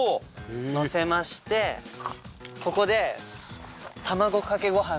のせましてここで。